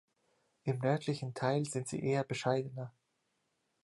Im nördlichen Teil sind sie eher bescheidener.